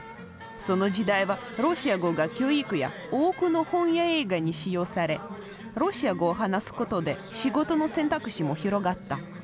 その時代はロシア語が教育や多くの本や映画に使用されロシア語を話すことで仕事の選択肢も広がった。